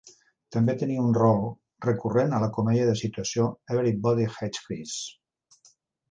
També tenia un rol recurrent a la comèdia de situació "Everybody Hates Chris".